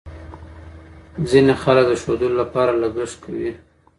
ځینې خلک د ښودلو لپاره لګښت کوي.